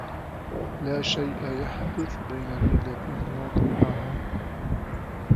لاشيء يحدث بين ليلة وضحاها.